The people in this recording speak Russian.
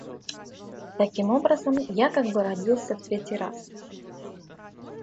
Таким образом, я как бы родился в третий раз.